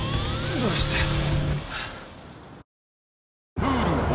どうして。